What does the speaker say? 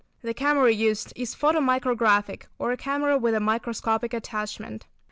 The camera used is photo micrographic, or a camera with a microscopic attachment.